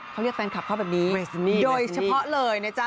เขาเรียกแฟนคลับเขาแบบนี้โดยเฉพาะเลยนะจ๊ะ